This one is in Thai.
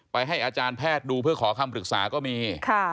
ให้อาจารย์แพทย์ดูเพื่อขอคำปรึกษาก็มี